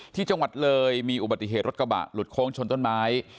ที่จังหวัดเลยมีอุบัติเหตุรถกระบะหลุดโค้งชนต้นไม้